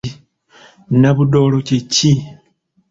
Nabudoolo kye ki?